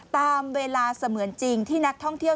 ตามเวลาเสมือนจริงที่นักท่องเที่ยว